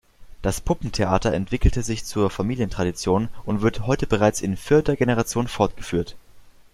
Das Puppentheater entwickelte sich zur Familientradition und wird heute bereits in vierter Generation fortgeführt.